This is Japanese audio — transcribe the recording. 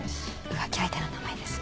浮気相手の名前です。